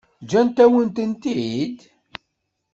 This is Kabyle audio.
Ǧǧan-awen-tent-id?